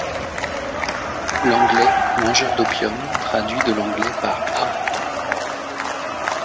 L'ANGLAIS MANGEUR D'OPIUM, traduit de l'anglais par A.